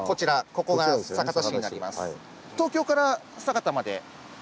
ここが酒田市になります。